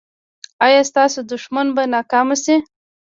ایا ستاسو دښمن به ناکام شي؟